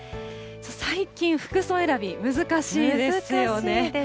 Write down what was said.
最近、服装選び、難しいですよね。